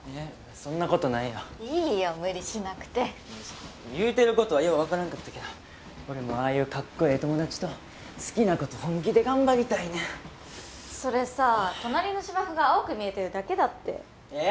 そんなことないよいいよ無理しなくて言うてることはよう分からんかったけど俺もああいうかっこええ友達と好きなこと本気で頑張りたいねんそれさぁ隣の芝生が青く見えてるだけだってえっ？